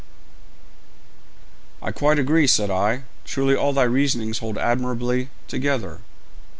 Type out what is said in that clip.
'I quite agree,' said I, 'truly all thy reasonings hold admirably together.'